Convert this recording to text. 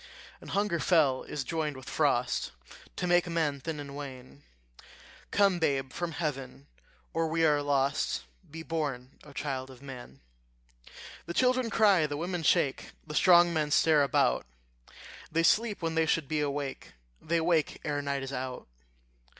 And hunger fell is joined with frost, To make men thin and wan: Come, babe, from heaven, or we are lost; Be born, O child of man. The children cry, the women shake, The strong men stare about; They sleep when they should be awake, They wake ere night is out.